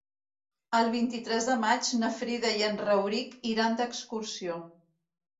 El vint-i-tres de maig na Frida i en Rauric iran d'excursió.